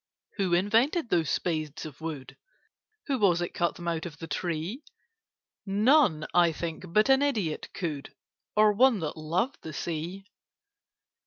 Who invented those spades of wood? Who was it cut them out of the tree? None, I think, but an idiot could— Or one that loved the Sea.